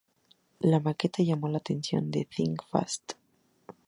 La maqueta llamó la atención de Think Fast!